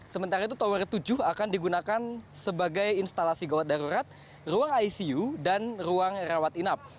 sementara itu tower tujuh akan digunakan sebagai instalasi gawat darurat ruang icu dan ruang rawat inap